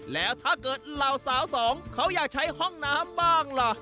แล้วถ้าเกิดเหล่าสาวสองเขาอยากใช้ห้องน้ำบ้างล่ะ